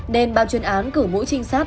nên bàn chuyên án cử mũi trinh sát